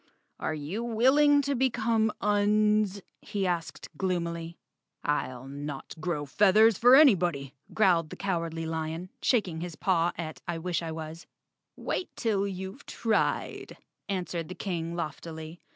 "Are you willing to become Uns?" he asked gloomily. "I'll not grow feathers for anybody," growled the Cowardly Lion, shaking his paw at I wish I was. "Wait till you've tried," answered the King loftily.